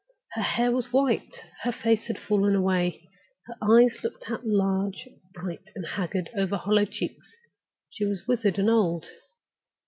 Her hair was white; her face had fallen away; her eyes looked out large, bright, and haggard over her hollow cheeks. She was withered and old.